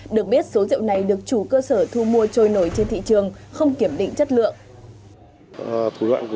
được biết số rượu này được chủ cơ sở thu mua trôi nổi trên thị trường không kiểm định chất lượng